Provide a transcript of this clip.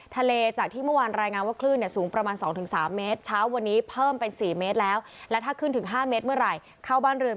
ทะเลจากที่เมื่อวันรายงานขสูงประมาณ๒๓เมตร